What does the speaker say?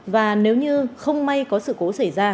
và nếu như không may có sự cố xảy ra